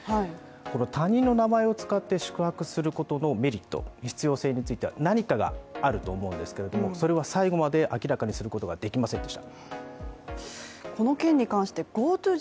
この他人の名前を使って宿泊することのメリット、必要性については、何かがあると思うんですけれどもそれは最後まで明らかにすることができませんでした。